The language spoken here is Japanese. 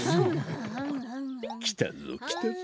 きたぞきたぞ。